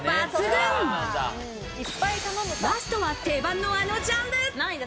ラストは定番のあのジャンル。